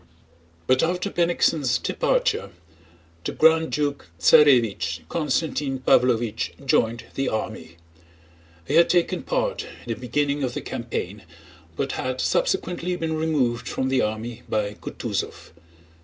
But after Bennigsen's departure, the Grand Duke Tsarévich Constantine Pávlovich joined the army. He had taken part in the beginning of the campaign but had subsequently been removed from the army by Kutúzov.